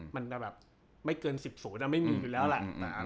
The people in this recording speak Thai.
มันจะแบบไม่เกิน๑๐ไม่มีอยู่แล้วแหละ